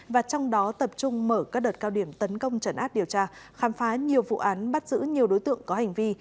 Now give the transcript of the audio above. và trong đó tập trung mở các đợt cao điểm tấn công trần át điều tra khám phá nhiều vụ án bắt giữ nhiều đối tượng có hành vi